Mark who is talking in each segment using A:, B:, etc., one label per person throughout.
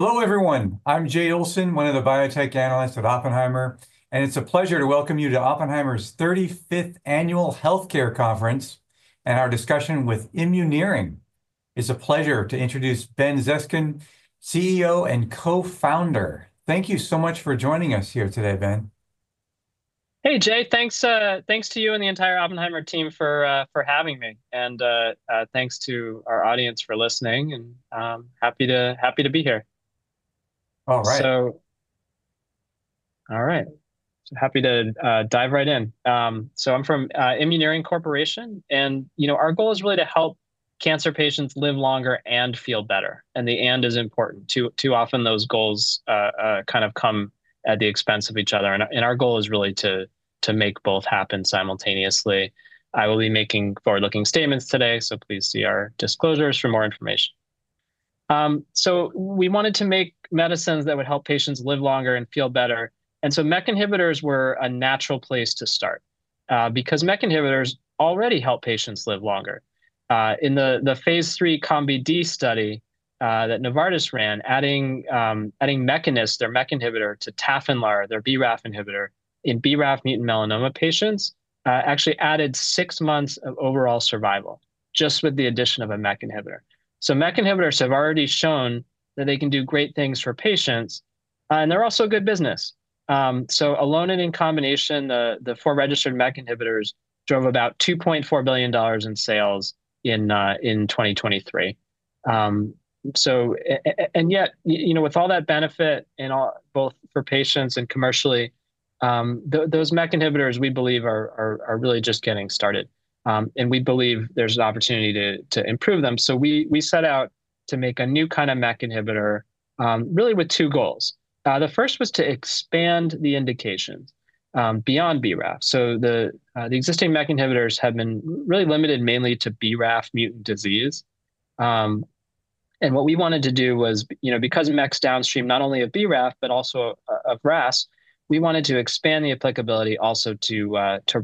A: Hello, everyone. I'm Jay Olson, one of the Biotech Analysts at Oppenheimer, and it's a pleasure to welcome you to Oppenheimer's 35th annual healthcare conference and our discussion with Immuneering. It's a pleasure to introduce Ben Zeskind, CEO and Co-Founder. Thank you so much for joining us here today, Ben.
B: Hey, Jay, thanks to you and the entire Oppenheimer team for having me, and thanks to our audience for listening, and happy to be here.
A: All right.
B: All right, happy to dive right in. I'm from Immuneering Corporation, and you know our goal is really to help cancer patients live longer and feel better, and the "and" is important. Too often, those goals kind of come at the expense of each other, and our goal is really to make both happen simultaneously. I will be making forward-looking statements today, so please see our disclosures for more information. We wanted to make medicines that would help patients live longer and feel better, and MEK inhibitors were a natural place to start because MEK inhibitors already help patients live longer. In the phase III COMBI-d study that Novartis ran, adding MEK inhibitor to Tafinlar, their BRAF inhibitor, in BRAF mutant melanoma patients actually added six months of overall survival just with the addition of a MEK inhibitor. MEK inhibitors have already shown that they can do great things for patients, and they're also good business. Alone and in combination, the four registered MEK inhibitors drove about $2.4 billion in sales in 2023. Yet, you know, with all that benefit and both for patients and commercially, those MEK inhibitors, we believe, are really just getting started, and we believe there's an opportunity to improve them. We set out to make a new kind of MEK inhibitor really with two goals. The first was to expand the indication beyond BRAF. The existing MEK inhibitors have been really limited mainly to BRAF mutant disease, and what we wanted to do was, you know, because MEK's downstream not only of BRAF, but also of RAS, we wanted to expand the applicability also to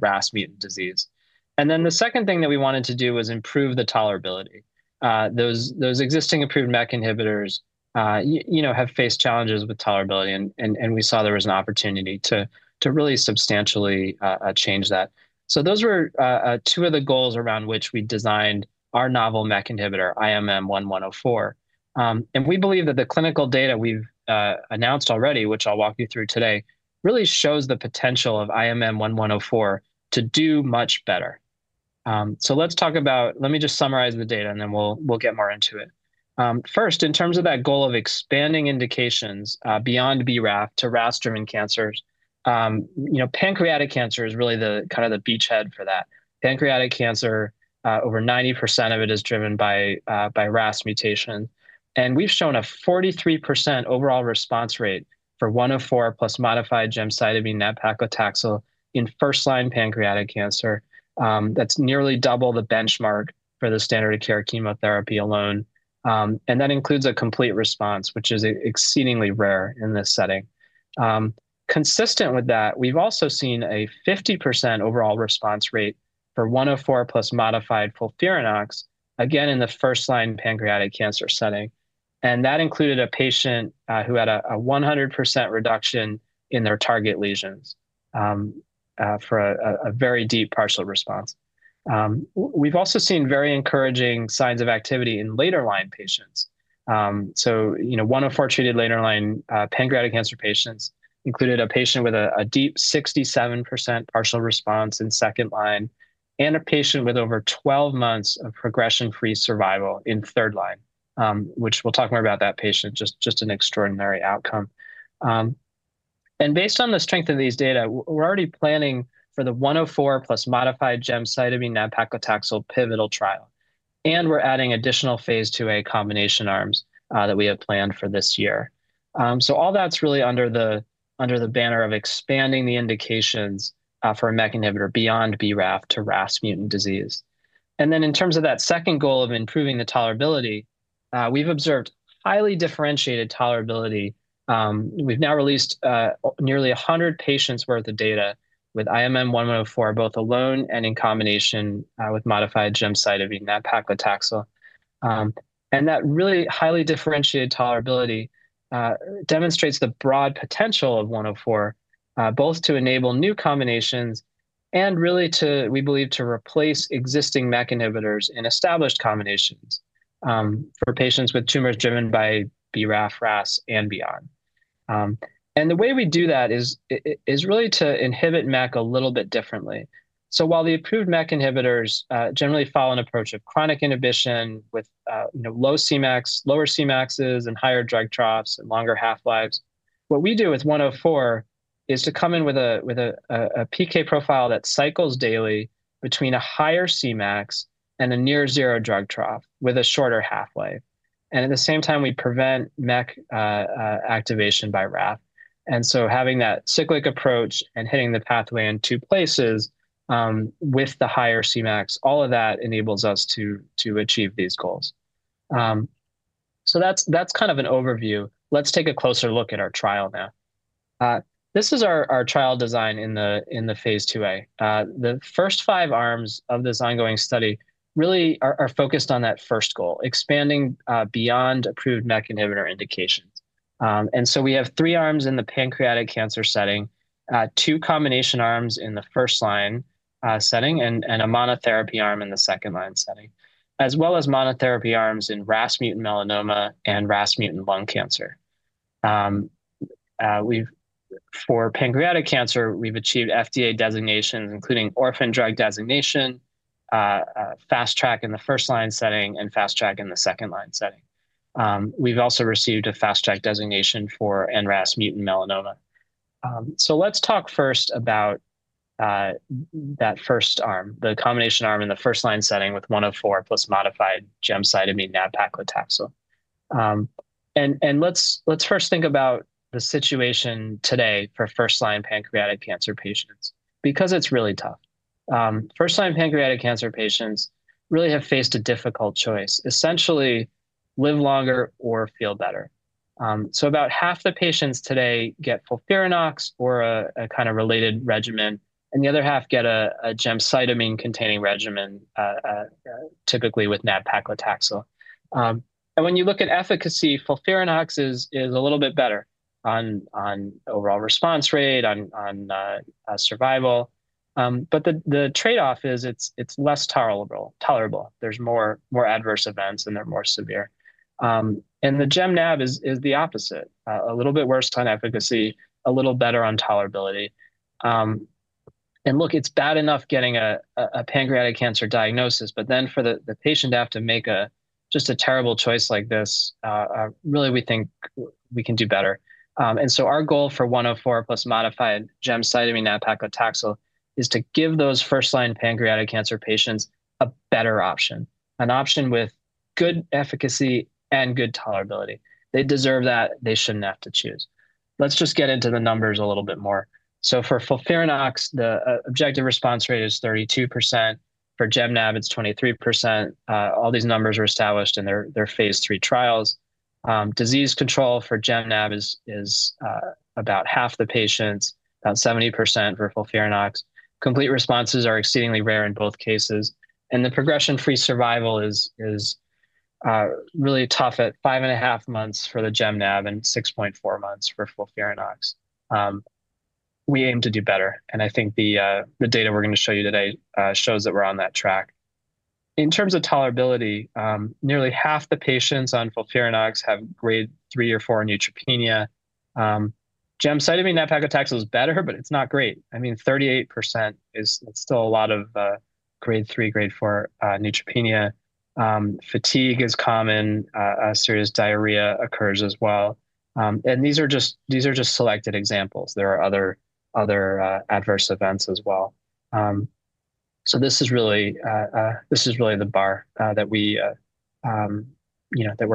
B: RAS mutant disease. The second thing that we wanted to do was improve the tolerability. Those existing approved MEK inhibitors, you know, have faced challenges with tolerability, and we saw there was an opportunity to really substantially change that. Those were two of the goals around which we designed our novel MEK inhibitor, IMM-1-104, and we believe that the clinical data we've announced already, which I'll walk you through today, really shows the potential of IMM-1-104 to do much better. Let me just summarize the data, and then we'll get more into it. First, in terms of that goal of expanding indications beyond BRAF to RAS-driven cancers, you know, pancreatic cancer is really kind of the beachhead for that. Pancreatic cancer, over 90% of it is driven by RAS mutation, and we've shown a 43% overall response rate for 104 plus modified gemcitabine nab-paclitaxel in first-line pancreatic cancer. That's nearly double the benchmark for the standard of care chemotherapy alone, and that includes a complete response, which is exceedingly rare in this setting. Consistent with that, we've also seen a 50% overall response rate for 104 plus modified FOLFIRINOX, again in the first-line pancreatic cancer setting, and that included a patient who had a 100% reduction in their target lesions for a very deep partial response. We've also seen very encouraging signs of activity in later-line patients. You know, 104 treated later-line pancreatic cancer patients included a patient with a deep 67% partial response in second line and a patient with over 12 months of progression-free survival in third line, which we'll talk more about that patient, just an extraordinary outcome. Based on the strength of these data, we're already planning for the 104 plus modified gemcitabine nab-paclitaxel pivotal trial, and we're adding additional phase 2A combination arms that we have planned for this year. All that's really under the banner of expanding the indications for a MEK inhibitor beyond BRAF to RAS mutant disease. In terms of that second goal of improving the tolerability, we've observed highly differentiated tolerability. We've now released nearly 100 patients' worth of data with IMM-1-104 both alone and in combination with modified gemcitabine nab-paclitaxel, and that really highly differentiated tolerability demonstrates the broad potential of 104 both to enable new combinations and really to, we believe, to replace existing MEK inhibitors in established combinations for patients with tumors driven by BRAF, RAS, and beyond. The way we do that is really to inhibit MEK a little bit differently. While the approved MEK inhibitors generally follow an approach of chronic inhibition with low Cmax, lower Cmaxs, and higher drug drops and longer half-lives, what we do with 104 is to come in with a PK profile that cycles daily between a higher Cmax and a near-zero drug drop with a shorter half-life, and at the same time, we prevent MEK activation by RAF. Having that cyclic approach and hitting the pathway in two places with the higher Cmax, all of that enables us to achieve these goals. That is kind of an overview. Let's take a closer look at our trial now. This is our trial design in the phase 2A. The first five arms of this ongoing study really are focused on that first goal, expanding beyond approved MEK inhibitor indications. We have three arms in the pancreatic cancer setting, two combination arms in the first-line setting, and a monotherapy arm in the second-line setting, as well as monotherapy arms in RAS mutant melanoma and RAS mutant lung cancer. For pancreatic cancer, we have achieved FDA designations, including orphan drug designation, fast track in the first-line setting, and fast track in the second-line setting. We have also received a fast track designation for NRAS mutant melanoma. Let's talk first about that first arm, the combination arm in the first-line setting with 104 plus modified gemcitabine nab-paclitaxel. Let's first think about the situation today for first-line pancreatic cancer patients because it's really tough. First-line pancreatic cancer patients really have faced a difficult choice, essentially live longer or feel better. About half the patients today get FOLFIRINOX or a kind of related regimen, and the other half get a gemcitabine-containing regimen, typically with nab-paclitaxel. When you look at efficacy, FOLFIRINOX is a little bit better on overall response rate, on survival, but the trade-off is it's less tolerable. There are more adverse events and they're more severe. The gem-nab is the opposite, a little bit worse on efficacy, a little better on tolerability. Look, it's bad enough getting a pancreatic cancer diagnosis, but then for the patient to have to make just a terrible choice like this, really we think we can do better. Our goal for 104 plus modified gemcitabine nab-paclitaxel is to give those first-line pancreatic cancer patients a better option, an option with good efficacy and good tolerability. They deserve that. They shouldn't have to choose. Let's just get into the numbers a little bit more. For FOLFIRINOX, the objective response rate is 32%. For gem-nab, it's 23%. All these numbers are established in their phase 3 trials. Disease control for gem-nab is about half the patients, about 70% for FOLFIRINOX. Complete responses are exceedingly rare in both cases, and the progression-free survival is really tough at five and a half months for the gem-nab and 6.4 months for FOLFIRINOX. We aim to do better, and I think the data we're going to show you today shows that we're on that track. In terms of tolerability, nearly half the patients on FOLFIRINOX have grade three or four neutropenia. Gemcitabine nab-paclitaxel is better, but it's not great. I mean, 38% is still a lot of grade three, grade four neutropenia. Fatigue is common. Serious diarrhea occurs as well. These are just selected examples. There are other adverse events as well. This is really the bar that we're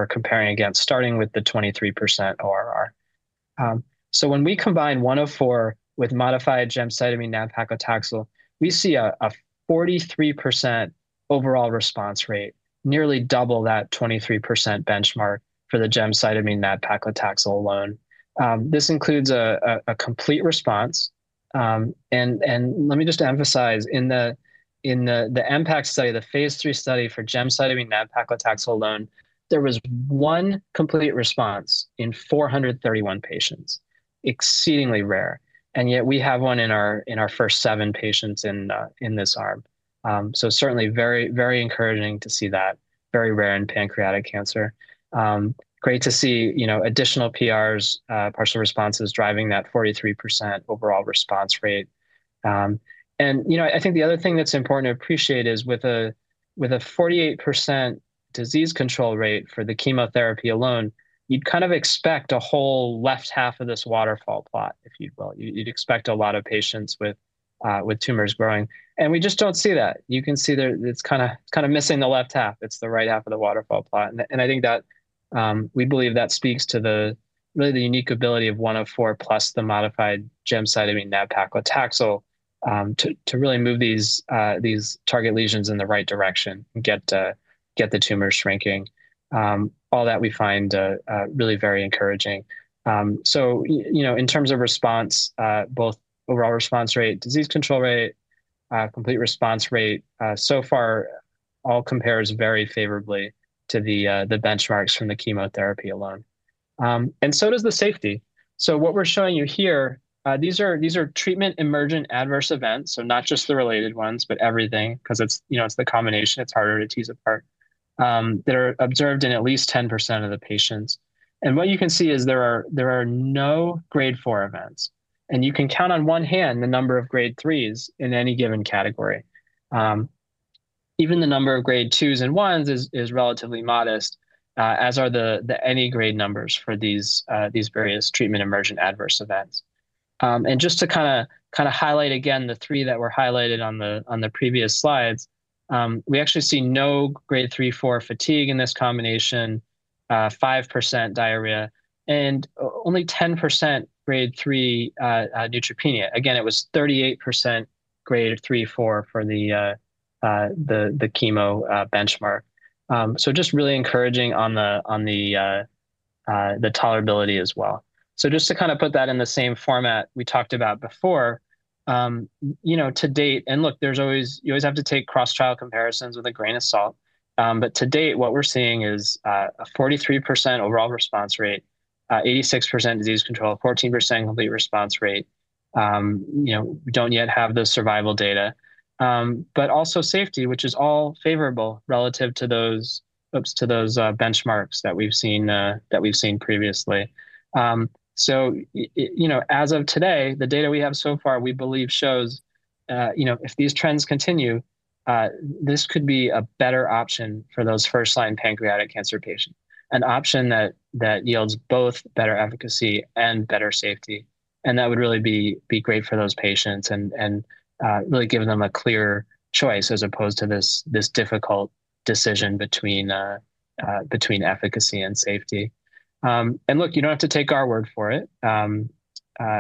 B: comparing against, starting with the 23% ORR. When we combine 104 with modified gemcitabine nab-paclitaxel, we see a 43% overall response rate, nearly double that 23% benchmark for the gemcitabine nab-paclitaxel alone. This includes a complete response. Let me just emphasize, in the MPACT study, the phase III study for gemcitabine nab-paclitaxel alone, there was one complete response in 431 patients, exceedingly rare, and yet we have one in our first seven patients in this arm. Certainly very encouraging to see that, very rare in pancreatic cancer. Great to see additional PRs, partial responses driving that 43% overall response rate. You know, I think the other thing that's important to appreciate is with a 48% disease control rate for the chemotherapy alone, you'd kind of expect a whole left half of this waterfall plot, if you will. You'd expect a lot of patients with tumors growing, and we just don't see that. You can see that it's kind of missing the left half. It's the right half of the waterfall plot, and I think that we believe that speaks to really the unique ability of 104 plus the modified gemcitabine nab-paclitaxel to really move these target lesions in the right direction and get the tumors shrinking. All that we find really very encouraging. You know, in terms of response, both overall response rate, disease control rate, complete response rate, so far all compares very favorably to the benchmarks from the chemotherapy alone. And so does the safety. What we're showing you here, these are treatment emergent adverse events, so not just the related ones, but everything because it's the combination. It's harder to tease apart that are observed in at least 10% of the patients. What you can see is there are no grade four events, and you can count on one hand the number of grade threes in any given category. Even the number of grade twos and ones is relatively modest, as are the any grade numbers for these various treatment emergent adverse events. Just to kind of highlight again the three that were highlighted on the previous slides, we actually see no grade three, four fatigue in this combination, 5% diarrhea, and only 10% grade three neutropenia. Again, it was 38% grade three, four for the chemo benchmark. Just really encouraging on the tolerability as well. Just to kind of put that in the same format we talked about before, you know, to date, and look, you always have to take cross-trial comparisons with a grain of salt, but to date, what we're seeing is a 43% overall response rate, 86% disease control, 14% complete response rate. We don't yet have the survival data, but also safety, which is all favorable relative to those benchmarks that we've seen previously. You know, as of today, the data we have so far, we believe shows, you know, if these trends continue, this could be a better option for those first-line pancreatic cancer patients, an option that yields both better efficacy and better safety, and that would really be great for those patients and really give them a clear choice as opposed to this difficult decision between efficacy and safety. Look, you don't have to take our word for it. You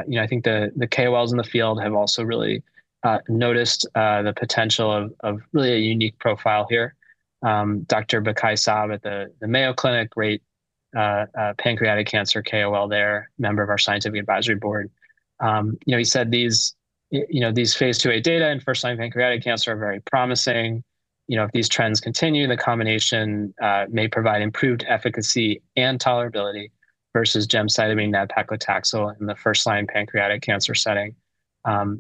B: know, I think the KOLs in the field have also really noticed the potential of really a unique profile here. Dr. Bekaii-Saab at the Mayo Clinic, great pancreatic cancer KOL there, member of our scientific advisory board. You know, he said these phase 2A data and first-line pancreatic cancer are very promising. You know, if these trends continue, the combination may provide improved efficacy and tolerability versus gemcitabine nab-paclitaxel in the first-line pancreatic cancer setting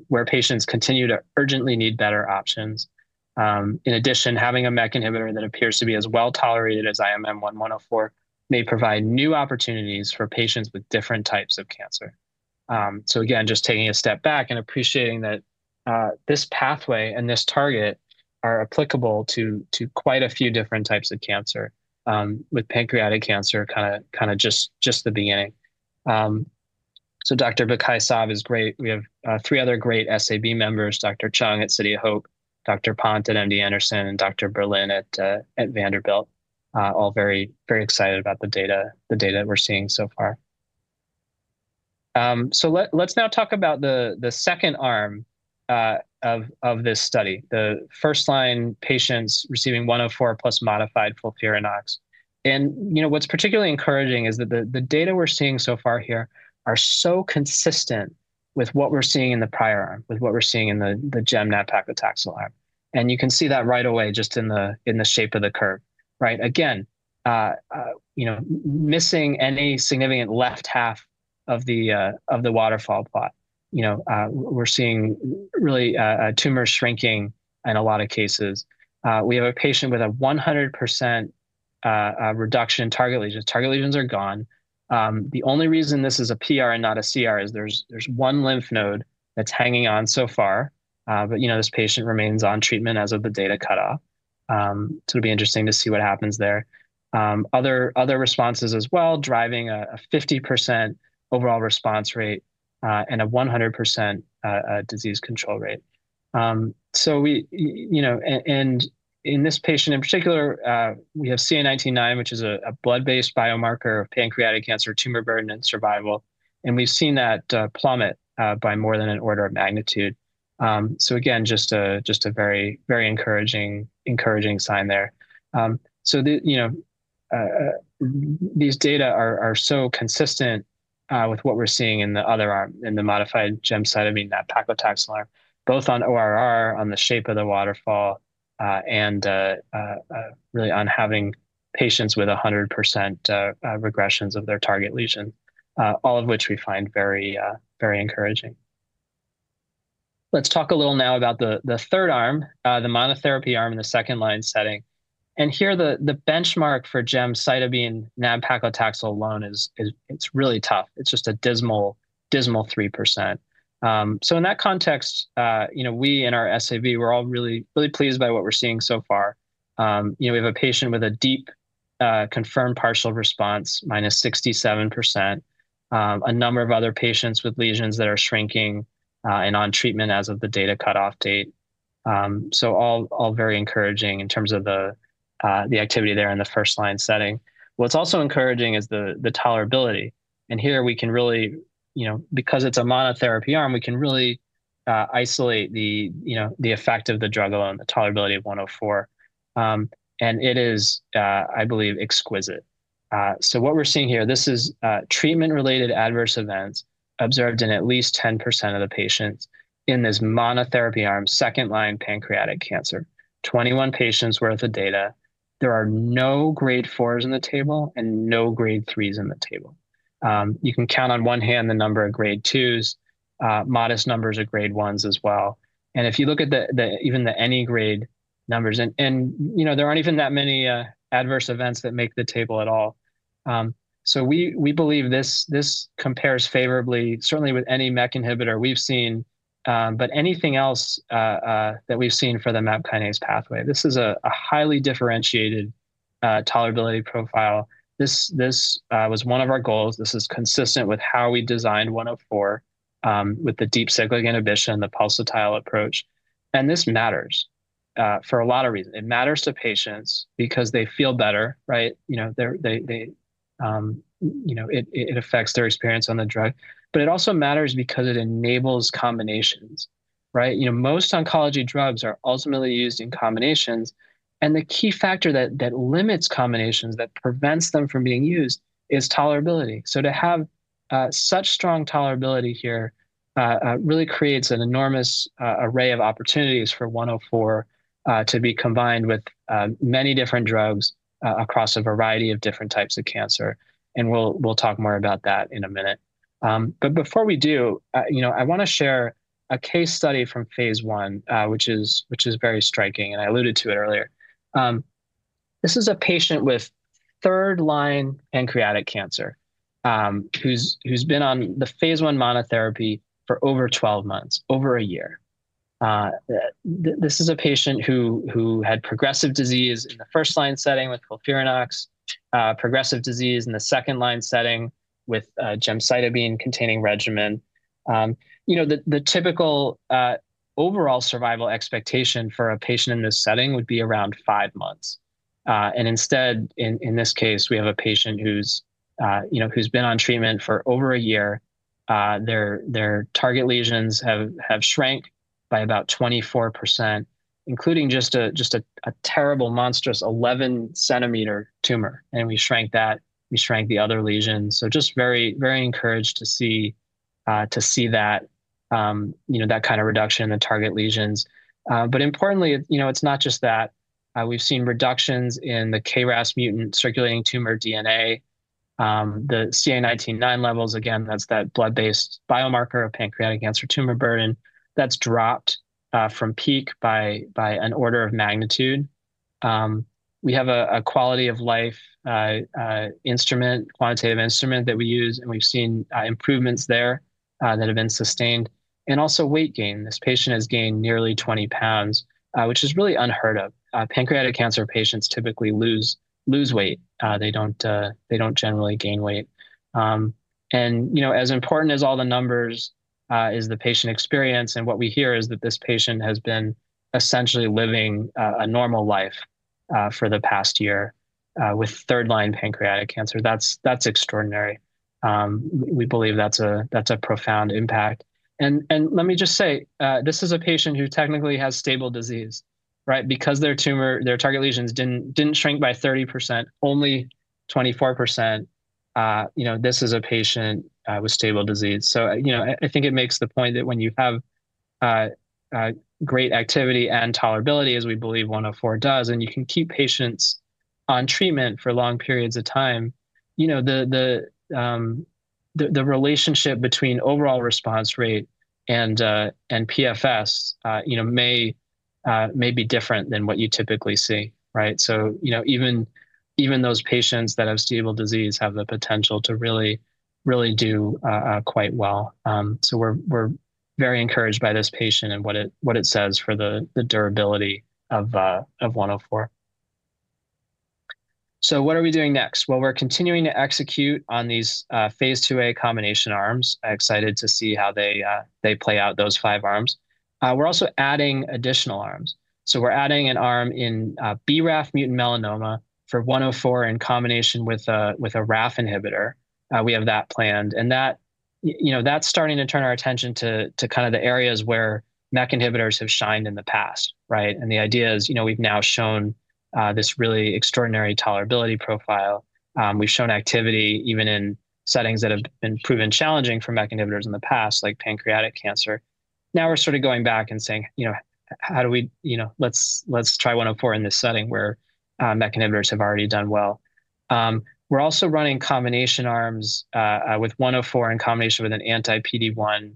B: where patients continue to urgently need better options. In addition, having a MEK inhibitor that appears to be as well tolerated as IMM-1-104 may provide new opportunities for patients with different types of cancer. Just taking a step back and appreciating that this pathway and this target are applicable to quite a few different types of cancer, with pancreatic cancer kind of just the beginning. Dr. Bekaii-Saab is great. We have three other great SAB members, Dr. Chung at City of Hope, Dr. Pant at MD Anderson, and Dr. Berlin at Vanderbilt, all very excited about the data that we're seeing so far. Let's now talk about the second arm of this study, the first-line patients receiving 104 plus modified FOLFIRINOX. You know, what's particularly encouraging is that the data we're seeing so far here are so consistent with what we're seeing in the prior arm, with what we're seeing in the gem nab-paclitaxel arm. You can see that right away just in the shape of the curve, right? Again, you know, missing any significant left half of the waterfall plot, you know, we're seeing really tumors shrinking in a lot of cases. We have a patient with a 100% reduction in target lesions. Target lesions are gone. The only reason this is a PR and not a CR is there's one lymph node that's hanging on so far, but you know, this patient remains on treatment as of the data cutoff. It will be interesting to see what happens there. Other responses as well driving a 50% overall response rate and a 100% disease control rate. You know, and in this patient in particular, we have CA 19-9, which is a blood-based biomarker of pancreatic cancer tumor burden and survival, and we've seen that plummet by more than an order of magnitude. Again, just a very encouraging sign there. You know, these data are so consistent with what we're seeing in the other arm, in the modified gemcitabine nab-paclitaxel arm, both on ORR, on the shape of the waterfall, and really on having patients with 100% regressions of their target lesion, all of which we find very encouraging. Let's talk a little now about the third arm, the monotherapy arm in the second-line setting. Here, the benchmark for gemcitabine nab-paclitaxel alone, it's really tough. It's just a dismal 3%. In that context, you know, we in our SAB, we're all really pleased by what we're seeing so far. You know, we have a patient with a deep confirmed partial response, -67%, a number of other patients with lesions that are shrinking and on treatment as of the data cutoff date. All very encouraging in terms of the activity there in the first-line setting. What's also encouraging is the tolerability. Here, we can really, you know, because it's a monotherapy arm, we can really isolate the effect of the drug alone, the tolerability of 104, and it is, I believe, exquisite. What we're seeing here, this is treatment-related adverse events observed in at least 10% of the patients in this monotherapy arm, second-line pancreatic cancer, 21 patients' worth of data. There are no grade fours on the table and no grade threes on the table. You can count on one hand the number of grade twos, modest numbers of grade ones as well. If you look at even the any grade numbers, and you know, there aren't even that many adverse events that make the table at all. We believe this compares favorably, certainly with any MEK inhibitor we've seen, but anything else that we've seen for the MEK kinase pathway, this is a highly differentiated tolerability profile. This was one of our goals. This is consistent with how we designed 104 with the deep cyclic inhibition, the pulsatile approach. This matters for a lot of reasons. It matters to patients because they feel better, right? You know, it affects their experience on the drug, but it also matters because it enables combinations, right? You know, most oncology drugs are ultimately used in combinations, and the key factor that limits combinations, that prevents them from being used, is tolerability. To have such strong tolerability here really creates an enormous array of opportunities for 104 to be combined with many different drugs across a variety of different types of cancer. We'll talk more about that in a minute. Before we do, you know, I want to share a case study from phase I, which is very striking, and I alluded to it earlier. This is a patient with third-line pancreatic cancer who's been on the phase 1 monotherapy for over 12 months, over a year. This is a patient who had progressive disease in the first-line setting with FOLFIRINOX, progressive disease in the second-line setting with a gemcitabine-containing regimen. You know, the typical overall survival expectation for a patient in this setting would be around five months. Instead, in this case, we have a patient who's been on treatment for over a year. Their target lesions have shrank by about 24%, including just a terrible, monstrous 11 cm tumor, and we shrank that, we shrank the other lesions. Just very encouraged to see that kind of reduction in the target lesions. Importantly, you know, it's not just that. We've seen reductions in the KRAS mutant circulating tumor DNA. The CA 19-9 levels, again, that's that blood-based biomarker of pancreatic cancer tumor burden, that's dropped from peak by an order of magnitude. We have a quality of life instrument, quantitative instrument that we use, and we've seen improvements there that have been sustained. Also weight gain. This patient has gained nearly 20 lbs, which is really unheard of. Pancreatic cancer patients typically lose weight. They don't generally gain weight. You know, as important as all the numbers is the patient experience, and what we hear is that this patient has been essentially living a normal life for the past year with third-line pancreatic cancer. That's extraordinary. We believe that's a profound impact. Let me just say, this is a patient who technically has stable disease, right? Because their target lesions did not shrink by 30%, only 24%, you know, this is a patient with stable disease. You know, I think it makes the point that when you have great activity and tolerability, as we believe 104 does, and you can keep patients on treatment for long periods of time, you know, the relationship between overall response rate and PFS, you know, may be different than what you typically see, right? You know, even those patients that have stable disease have the potential to really do quite well. We are very encouraged by this patient and what it says for the durability of 104. What are we doing next? We are continuing to execute on these phase 2A combination arms. I'm excited to see how they play out those five arms. We're also adding additional arms. We're adding an arm in BRAF mutant melanoma for 104 in combination with a RAF inhibitor. We have that planned. That, you know, that's starting to turn our attention to kind of the areas where MEK inhibitors have shined in the past, right? The idea is, you know, we've now shown this really extraordinary tolerability profile. We've shown activity even in settings that have been proven challenging for MEK inhibitors in the past, like pancreatic cancer. Now we're sort of going back and saying, you know, how do we, you know, let's try 104 in this setting where MEK inhibitors have already done well. We're also running combination arms with 104 in combination with an anti-PD-1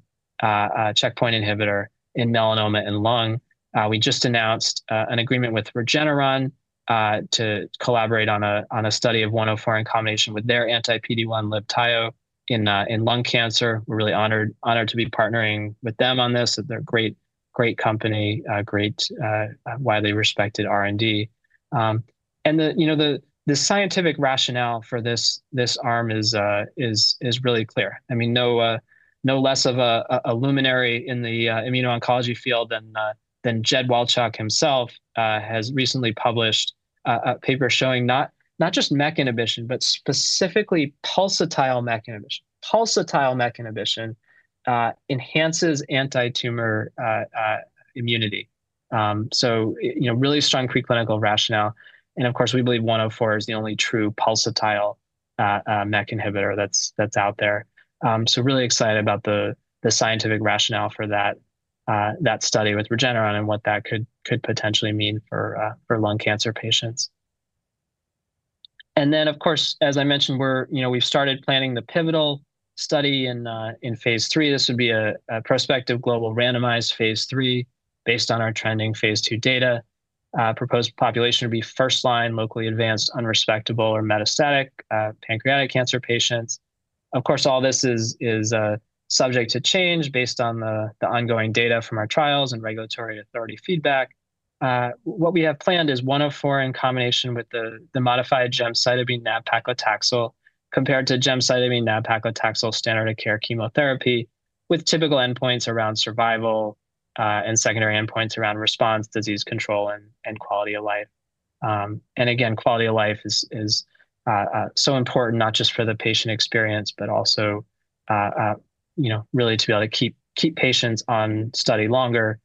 B: checkpoint inhibitor in melanoma and lung. We just announced an agreement with Regeneron to collaborate on a study of 104 in combination with their anti-PD-1 Libtayo in lung cancer. We're really honored to be partnering with them on this. They're a great company, great, widely respected R&D. And you know, the scientific rationale for this arm is really clear. I mean, no less of a luminary in the immuno-oncology field than Jedd Wolchok himself has recently published a paper showing not just MEK inhibition, but specifically pulsatile MEK inhibition. Pulsatile MEK inhibition enhances anti-tumor immunity. So you know, really strong preclinical rationale. And of course, we believe 104 is the only true pulsatile MEK inhibitor that's out there. So really excited about the scientific rationale for that study with Regeneron and what that could potentially mean for lung cancer patients. Of course, as I mentioned, we're, you know, we've started planning the pivotal study in phase 3. This would be a prospective global randomized phase 3 based on our trending phase 2 data. Proposed population would be first-line, locally advanced, unresectable, or metastatic pancreatic cancer patients. Of course, all this is subject to change based on the ongoing data from our trials and regulatory authority feedback. What we have planned is 104 in combination with the modified gemcitabine nab-paclitaxel compared to gemcitabine nab-paclitaxel standard of care chemotherapy with typical endpoints around survival and secondary endpoints around response, disease control, and quality of life. Again, quality of life is so important, not just for the patient experience, but also, you know, really to be able to keep patients on study longer,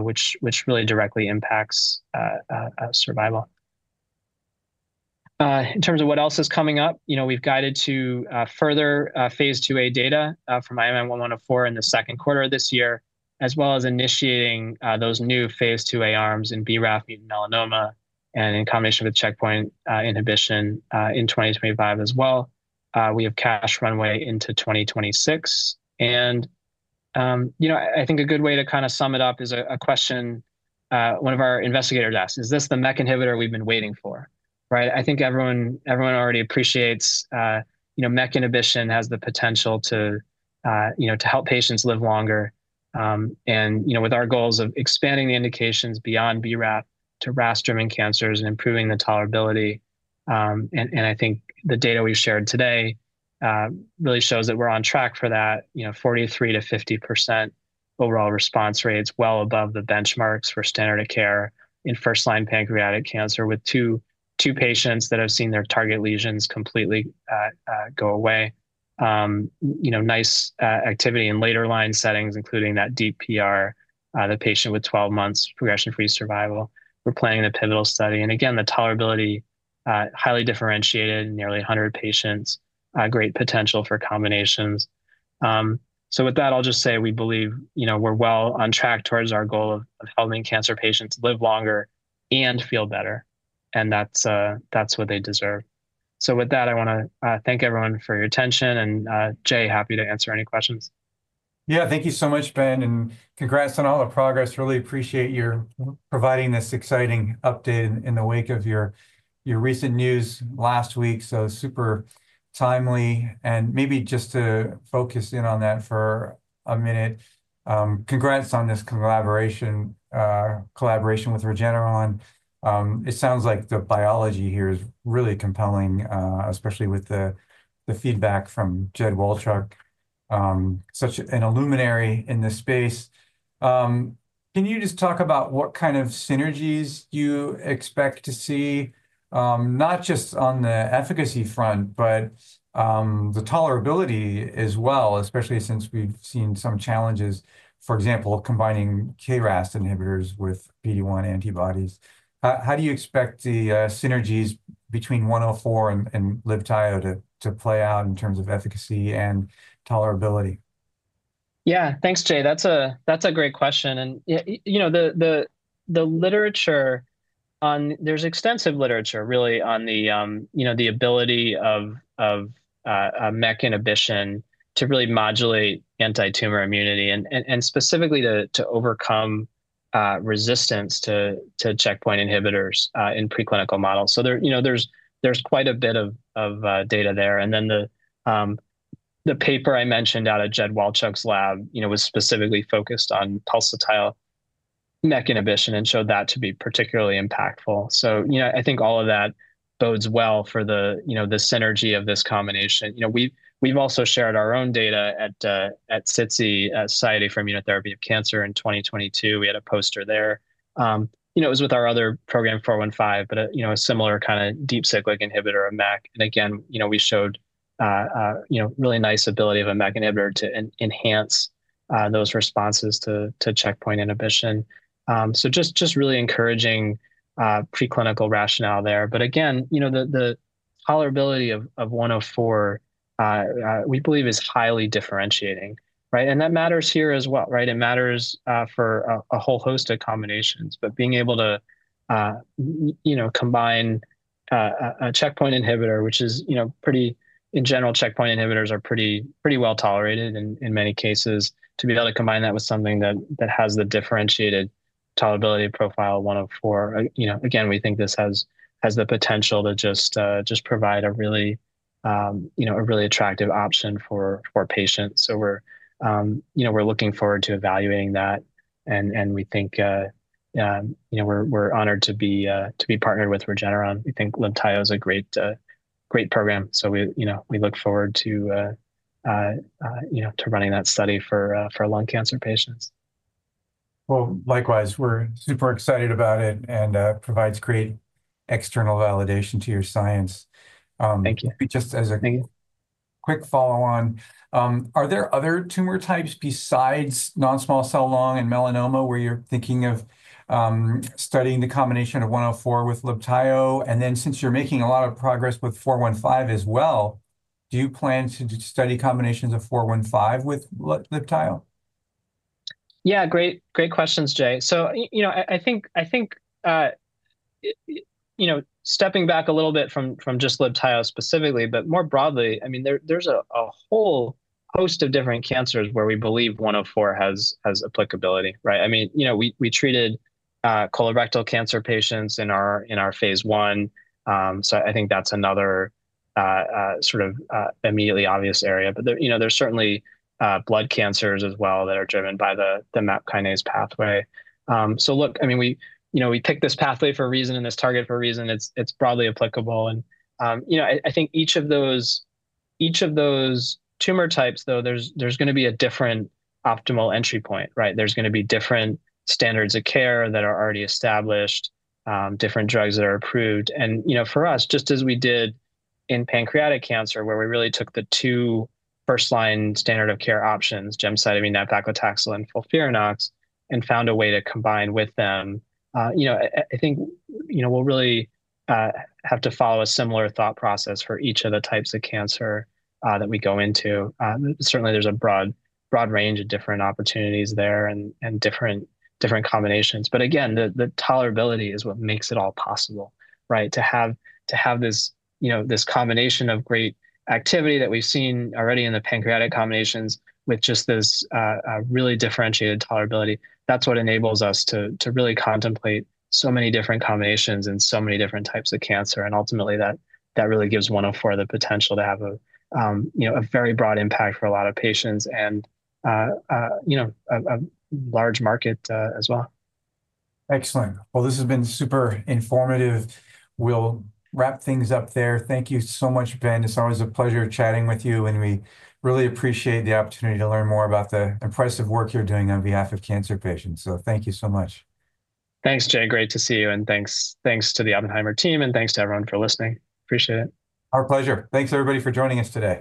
B: which really directly impacts survival. In terms of what else is coming up, you know, we've guided to further phase 2A data from IMM-1-104 in the second quarter of this year, as well as initiating those new phase 2A arms in BRAF mutant melanoma and in combination with checkpoint inhibition in 2025 as well. We have cash runway into 2026. You know, I think a good way to kind of sum it up is a question one of our investigators asked, is this the MEK inhibitor we've been waiting for, right? I think everyone already appreciates, you know, MEK inhibition has the potential to, you know, to help patients live longer. You know, with our goals of expanding the indications beyond BRAF to RAS-driven cancers and improving the tolerability. I think the data we shared today really shows that we're on track for that, you know, 43%-50% overall response rates, well above the benchmarks for standard of care in first-line pancreatic cancer with two patients that have seen their target lesions completely go away. You know, nice activity in later-line settings, including that deep PR, the patient with 12 months progression-free survival. We're planning the pivotal study. Again, the tolerability, highly differentiated, nearly 100 patients, great potential for combinations. I just say we believe, you know, we're well on track towards our goal of helping cancer patients live longer and feel better, and that's what they deserve. I want to thank everyone for your attention, and Jay, happy to answer any questions.
A: Yeah, thank you so much, Ben, and congrats on all the progress. Really appreciate your providing this exciting update in the wake of your recent news last week. Super timely. Maybe just to focus in on that for a minute, congrats on this collaboration with Regeneron. It sounds like the biology here is really compelling, especially with the feedback from Jedd Wolchok, such an illuminary in this space. Can you just talk about what kind of synergies you expect to see, not just on the efficacy front, but the tolerability as well, especially since we've seen some challenges, for example, combining KRAS inhibitors with PD-1 antibodies? How do you expect the synergies between 104 and Libtayo to play out in terms of efficacy and tolerability?
B: Yeah, thanks, Jay. That's a great question. You know, the literature on, there's extensive literature really on the, you know, the ability of MEK inhibition to really modulate anti-tumor immunity and specifically to overcome resistance to checkpoint inhibitors in preclinical models. There, you know, there's quite a bit of data there. The paper I mentioned out of Jedd Wolchok's lab, you know, was specifically focused on pulsatile MEK inhibition and showed that to be particularly impactful. You know, I think all of that bodes well for the, you know, the synergy of this combination. You know, we've also shared our own data at SITC, Society for Immunotherapy of Cancer in 2022. We had a poster there. You know, it was with our other program, 415, but you know, a similar kind of deep cyclic inhibitor of MEK. Again, you know, we showed, you know, really nice ability of a MEK inhibitor to enhance those responses to checkpoint inhibition. Just really encouraging preclinical rationale there. Again, you know, the tolerability of 104, we believe, is highly differentiating, right? That matters here as well, right? It matters for a whole host of combinations, but being able to, you know, combine a checkpoint inhibitor, which is, you know, pretty, in general, checkpoint inhibitors are pretty well tolerated in many cases, to be able to combine that with something that has the differentiated tolerability profile 104, you know, again, we think this has the potential to just provide a really, you know, a really attractive option for patients. We are, you know, looking forward to evaluating that. We think, you know, we are honored to be partnered with Regeneron. We think Libtayo is a great program. We, you know, look forward to, you know, running that study for lung cancer patients.
A: Likewise, we're super excited about it and it provides great external validation to your science.
B: Thank you.
A: Just as a quick follow-on, are there other tumor types besides non-small cell lung and melanoma where you're thinking of studying the combination of 104 with Libtayo? And then since you're making a lot of progress with 415 as well, do you plan to study combinations of 415 with Libtayo?
B: Yeah, great questions, Jay. You know, I think, you know, stepping back a little bit from just Libtayo specifically, but more broadly, I mean, there's a whole host of different cancers where we believe 104 has applicability, right? I mean, you know, we treated colorectal cancer patients in our phase 1. So I think that's another sort of immediately obvious area. You know, there's certainly blood cancers as well that are driven by the MAPK kinase pathway. Look, I mean, we picked this pathway for a reason and this target for a reason. It's broadly applicable. You know, I think each of those tumor types, though, there's going to be a different optimal entry point, right? There's going to be different standards of care that are already established, different drugs that are approved. You know, for us, just as we did in pancreatic cancer, where we really took the two first-line standard of care options, gemcitabine nab-paclitaxel and FOLFIRINOX, and found a way to combine with them, you know, I think, you know, we'll really have to follow a similar thought process for each of the types of cancer that we go into. Certainly, there's a broad range of different opportunities there and different combinations. Again, the tolerability is what makes it all possible, right? To have this, you know, this combination of great activity that we've seen already in the pancreatic combinations with just this really differentiated tolerability, that's what enables us to really contemplate so many different combinations and so many different types of cancer. Ultimately, that really gives 104 the potential to have a, you know, a very broad impact for a lot of patients and, you know, a large market as well.
A: Excellent. This has been super informative. We'll wrap things up there. Thank you so much, Ben. It's always a pleasure chatting with you, and we really appreciate the opportunity to learn more about the impressive work you're doing on behalf of cancer patients. Thank you so much.
B: Thanks, Jay. Great to see you. Thanks to the Oppenheimer team, and thanks to everyone for listening. Appreciate it.
A: Our pleasure. Thanks to everybody for joining us today.